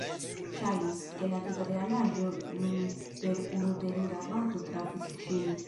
Ŝajnis, ke la tuta realaĵo nun per unu terura bato trafis ŝin.